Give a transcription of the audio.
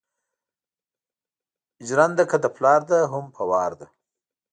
ژېرنده که ده پلار ده هم په وار ده